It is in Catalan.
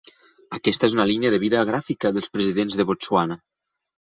Aquesta és una línia de vida gràfica dels presidents de Botswana.